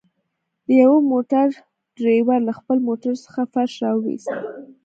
د يوه موټر ډريور له خپل موټر څخه فرش راوويست.